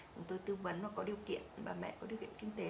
chúng tôi tư vấn và có điều kiện bà mẹ có điều kiện kinh tế